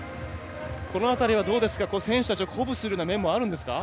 この辺りは、選手たちを鼓舞するような面もあるんでしょうか。